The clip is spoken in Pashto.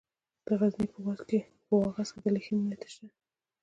د غزني په واغظ کې د لیتیم نښې شته.